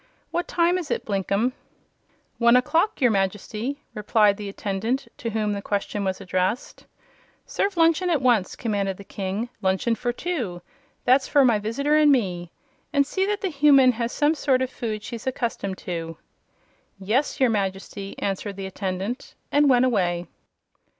What time is it, Blinkem?" "One o'clock, your Majesty," replied the attendant to whom the question was addressed. "Serve luncheon at once!" commanded the King. "Luncheon for two that's for my visitor and me and see that the human has some sort of food she's accustomed to." "Yes, your Majesty," answered the attendant, and went away.